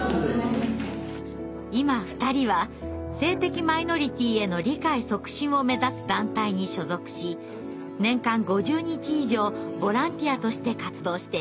今２人は性的マイノリティーへの理解促進を目指す団体に所属し年間５０日以上ボランティアとして活動しています。